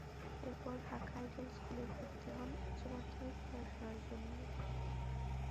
এরপর Dhaka Ideal School এ ভর্তি হন উচ্চ মাধ্যমিক পড়াশোনার জন্য।